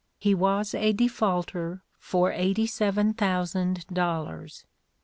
He was a defaulter for eighty seven thousand dollars.